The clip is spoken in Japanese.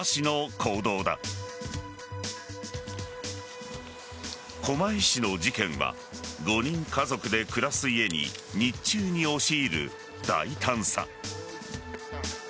狛江市の事件は５人家族で暮らす家に日中に押し入る大胆さ。